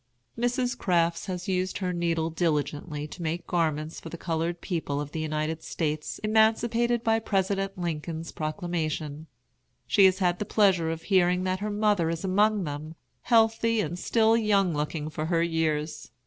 Mrs. Crafts has used her needle diligently to make garments for the colored people of the United States emancipated by President Lincoln's Proclamation. She has had the pleasure of hearing that her mother is among them, healthy, and still young looking for her years.